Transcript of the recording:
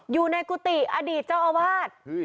อยู่ในกุฏิอดีตเจ้าอาวาส